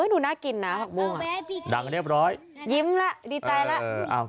ดูน่ากินนะผักบุ้งอ่ะยิ้มแล้วดีใจแล้วดังเรียบร้อย